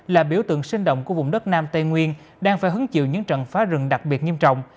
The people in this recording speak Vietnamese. là biểu tượng sinh động của vùng đất nam tây nguyên đang phải hứng chịu những trận phá rừng đặc biệt nghiêm trọng